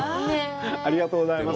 ありがとうございます。